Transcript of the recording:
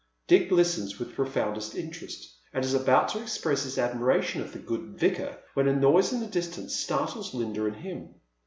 Dick listens with profoundest interest, and is about to express bis admiration of the good vicar, when a noise in the distance startles Linda and him.